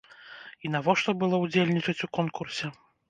І навошта было ўдзельнічаць у конкурсе?